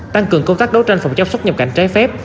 tăng cường công tác đấu tranh phòng chống xuất nhập cảnh trái phép